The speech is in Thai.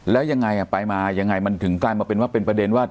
แล้วยังไงไปมายังไงมันถึงกลายมาเป็นว่าเป็นประเด็นว่า